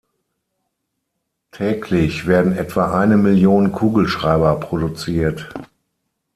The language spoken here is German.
Täglich werden etwa eine Million Kugelschreiber produziert.